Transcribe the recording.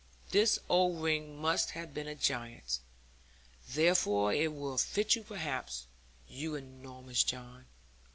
This old ring must have been a giant's; therefore it will fit you perhaps, you enormous John.